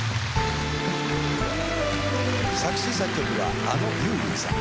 作詞・作曲はあのユーミンさん。